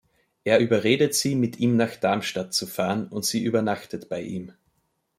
Er überredet sie, mit ihm nach Darmstadt zu fahren, und sie übernachtet bei ihm.